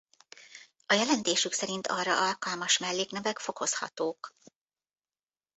A jelentésük szerint arra alkalmas melléknevek fokozhatók.